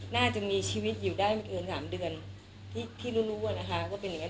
น่าจะมีชีวิตอยู่ได้ไม่เกิน๓เดือนที่รู้รู้อะนะคะว่าเป็นอย่างนี้